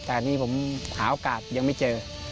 แต่อันนี้ผมหาโอกาสยังไม่เจอ